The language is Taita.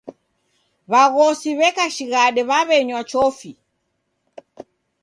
W'aghosi w'eka shighadi w'aw'enywa chofi.